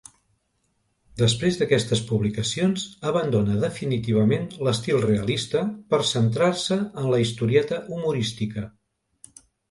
Després d'aquestes publicacions, abandona definitivament l'estil realista per a centrar-se en la historieta humorística.